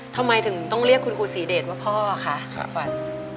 ทำไมถึงต้องเรียกคุณครูศรีเดชว่าพ่อคะขวัญ